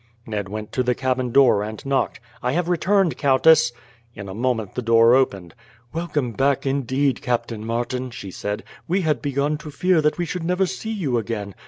Ned went to the cabin door and knocked. "I have returned, countess." In a moment the door opened. "Welcome back, indeed, Captain Martin," she said. "We had begun to fear that we should never see you again.